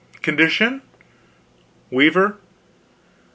Condition?" "Weaver."